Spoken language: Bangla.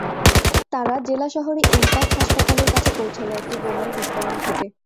তাঁরা জেলা শহরের ইমপ্যাক্ট হাসপাতালের কাছে পৌঁছালে একটি বোমার বিস্ফোরণ ঘটে।